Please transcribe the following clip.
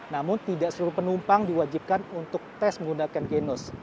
namun tidak seluruh penumpang diwajibkan untuk tes menggunakan genos